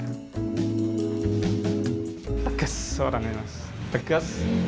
tegas seorangnya mas tegas